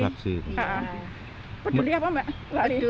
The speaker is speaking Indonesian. peduli apa mbak